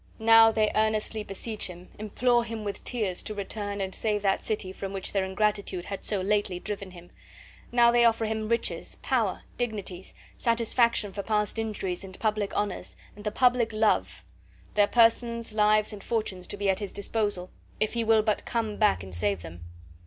Now they earnestly beseech him, implore him with tears, to return and save that city from which their ingratitude had so lately driven him; now they offer him riches, power, dignities,, satisfaction for past injuries, and public honors, and the public love; their persons, lives, and fortunes to be at his disposal, if he will but come back and save them.